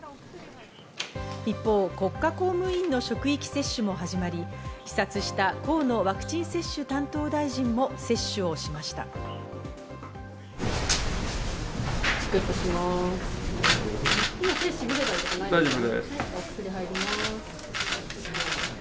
一方、国家公務員の職域接種も始まり、視察した河野ワクチン接種担当大臣も接種をしました。